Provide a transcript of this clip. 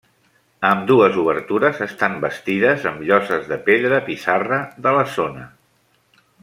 Ambdues obertures estan bastides amb lloses de pedra pissarra de la zona.